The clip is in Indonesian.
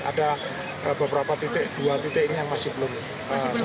ada beberapa titik dua titik ini yang masih belum selesai